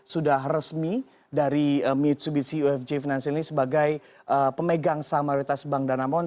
dua ribu sembilan belas sudah resmi dari mitsubishi ufj financial ini sebagai pemegang saham mayoritas bank danamon